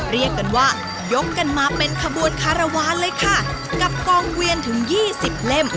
เรียกกันว่ายกกันมาเป็นขบวนคารวาลเลยค่ะกับกองเวียนถึงยี่สิบเล่ม